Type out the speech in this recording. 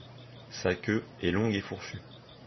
Sa queue est longue et fourchue.